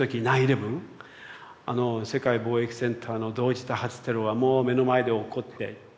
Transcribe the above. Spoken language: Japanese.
あの世界貿易センターの同時多発テロがもう目の前で起こって。